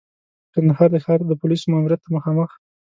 کندهار د ښار د پولیسو ماموریت ته مخامخ.